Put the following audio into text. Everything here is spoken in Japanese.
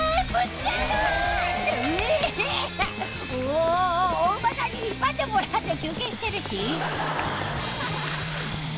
お馬さんに引っ張ってもらって休憩してるし。